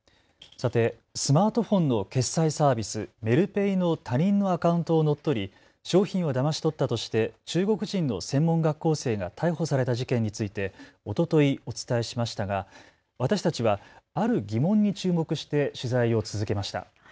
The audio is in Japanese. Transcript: さて、スマートフォンの決済サービス、メルペイの他人のアカウントを乗っ取り商品をだまし取ったとして中国人の専門学校生が逮捕された事件についておとといお伝えしましたが私たちはある疑問に注目して取材を続けました。